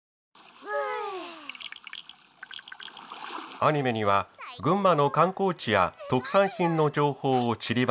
アニメには群馬の観光地や特産品の情報をちりばめた。